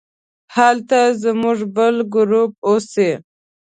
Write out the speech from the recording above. هلته زموږ بل ګروپ اوسي.